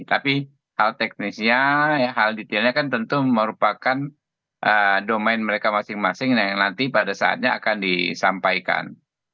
tapi hal teknisnya hal detailnya kan tentu merupakan domain mereka masing masing yang nanti pada saatnya akan disampaikan